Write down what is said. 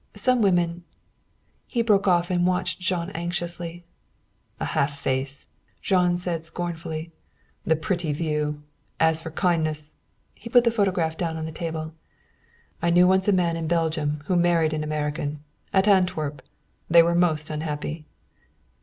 Some women " He broke off and watched Jean anxiously. "A half face!" Jean said scornfully. "The pretty view! As for kindness " He put the photograph face down on the table. "I knew once a man in Belgium who married an American. At Antwerp. They were most unhappy."